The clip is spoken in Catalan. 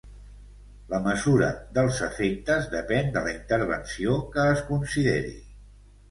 La mesura dels efectes depèn de la intervenció que es consideri.